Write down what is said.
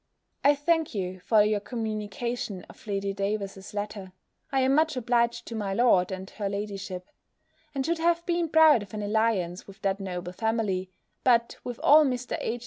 I thank you for your communication of Lady Davers's letter, I am much obliged to my lord, and her ladyship; and should have been proud of an alliance with that noble family, but with all Mr. H.'